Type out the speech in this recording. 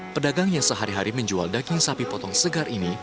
pedagang yang sehari hari menjual daging sapi potong segar ini